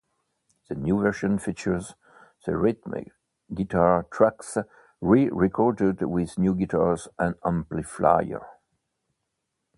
The new version features the rhythm guitar tracks re-recorded with new guitars and amplifiers.